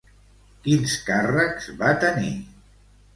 Quins càrrecs va tenir?